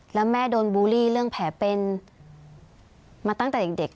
แล้วแม่โดนบูลลี่เรื่องแผลเป็นมาตั้งแต่เด็ก